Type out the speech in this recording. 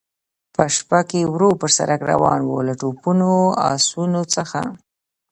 په شپه کې ورو پر سړک روان و، له توپونو، اسونو څخه.